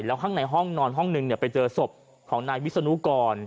แล้วข้างในห้องนอนห้องนึงไปเจอศพของนายวิศนุกร